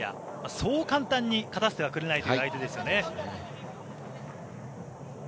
そう簡単に勝たせてはくれない相手ですよね。